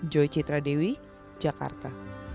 joy citradewi jakarta